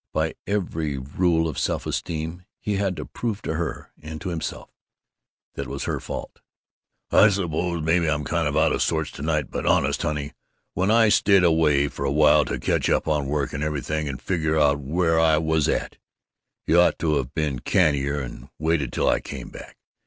By every rule of self esteem, he had to prove to her, and to himself, that it was her fault. "I suppose maybe I'm kind of out of sorts to night, but honest, honey, when I stayed away for a while to catch up on work and everything and figure out where I was at, you ought to have been cannier and waited till I came back.